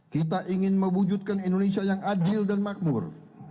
kita ingin mewujudkan indonesia yang adil dan makmur